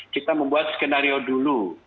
kita membuat skenario dulu